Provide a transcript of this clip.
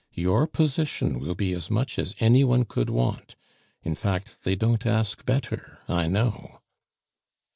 Your position will be as much as any one could want; in fact, they don't ask better, I know."